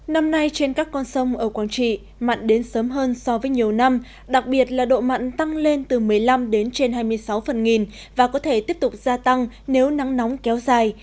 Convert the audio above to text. năm nay trên các con sông ở quảng trị mặn đến sớm hơn so với nhiều năm đặc biệt là độ mặn tăng lên từ một mươi năm đến trên hai mươi sáu phần nghìn và có thể tiếp tục gia tăng nếu nắng nóng kéo dài